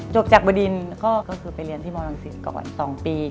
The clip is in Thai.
จบจากบดินก็คือไปเรียนที่มรังสิตก่อน๒ปี